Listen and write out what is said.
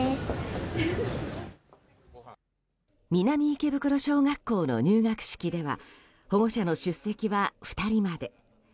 南池袋小学校の入学式では保護者の出席は２人まで。